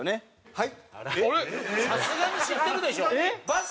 はい。